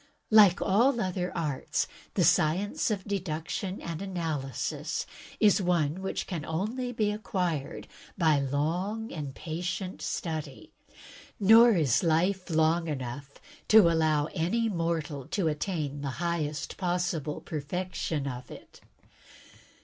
Like all other arts, the Science of Deduction and Analysis is one which can only be acquired by long and patient study, nor is life long enough to allow any mortal to attain the highest possible perfection of it.